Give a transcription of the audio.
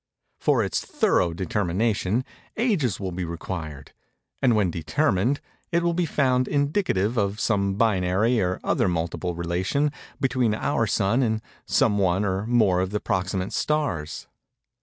For its thorough determination, ages will be required; and, when determined, it will be found indicative of some binary or other multiple relation between our Sun and some one or more of the proximate stars.